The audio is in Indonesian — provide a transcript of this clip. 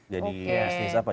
jadi bisnis apa